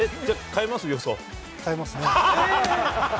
変えますね。